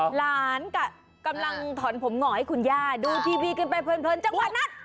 หลานกำลังถอนผมหน่อยให้คุณญาดูพีบีเพิ่มจังหวะอันนั้น